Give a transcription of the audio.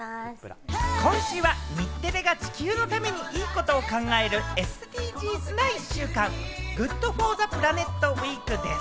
今週は日テレが地球のためにいいことを考えるＳＤＧｓな１週間、ＧｏｏｄＦｏｒＴｈｅＰｌａｎｅｔウィークでぃす！